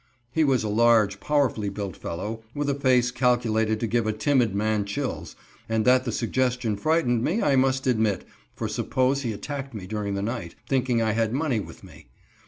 He was a large, powerfully built fellow, with a face calculated to give a timid man chills, and that the suggestion frightened me, I must admit, for suppose he attacked me during the night, thinking I had money with me.